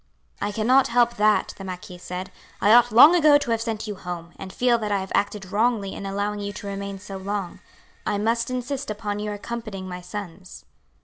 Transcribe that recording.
"I cannot help that," the marquis said. "I ought long ago to have sent you home, and feel that I have acted wrongly in allowing you to remain so long. I must insist upon your accompanying my sons."